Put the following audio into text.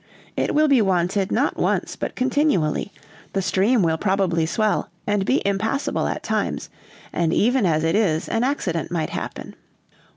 It will be wanted not once but continually; the stream will probably swell and be impassable at times, and even as it is, an accident might happen."